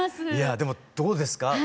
でもどうですか？